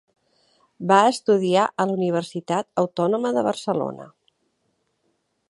Va estudiar a la Universitat Autònoma de Barcelona.